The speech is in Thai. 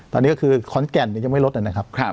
ตอนนี้ก็คือข้อนแก่นยังไม่รสเนี่ยนะครับ